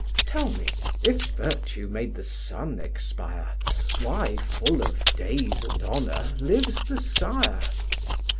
Tell me, if virtue made the son expire, Why, full of days and honour, lives the sire?